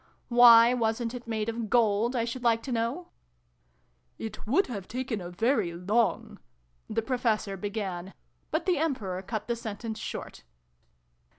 " Why wasn't it made of gold, I should like to know ?"" It would have taken a very long " the Professor began, but the Emperor cut the sentence short.